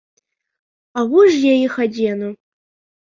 А во ж я іх адзену.